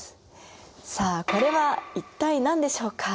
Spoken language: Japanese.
さあこれは一体何でしょうか？